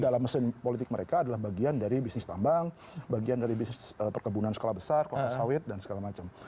dalam mesin politik mereka adalah bagian dari bisnis tambang bagian dari bisnis perkebunan skala besar kelompok sawit dan segala macam